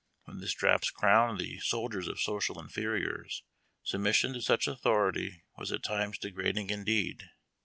When the straps crowned the Wde of socialinferiors, submission to such authority vas at times degrading indeed.